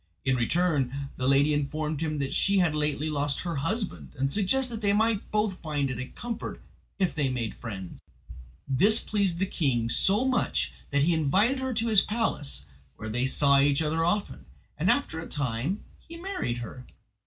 In return, the lady informed him that she had lately lost her husband, and suggested that they might both find it a comfort if they made friends. This pleased the king so much that he invited her to his palace, where they saw each other often; and after a time he married her.